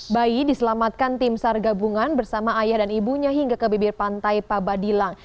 bayi diselamatkan tim sar gabungan bersama ayah dan ibunya hingga ke bibir pantai pabadilang